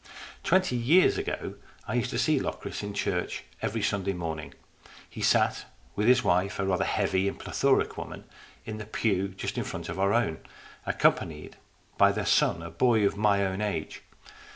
Twenty years ago I used to see Locris in church every Sunday morning. He sat with his wife, a rather heavy and plethoric woman, in the pew just in front of our own, accompanied by their son, a boy of my own age.